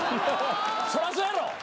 そらそうやろ！